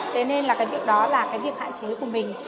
thế nên là cái việc đó là cái việc hạn chế của mình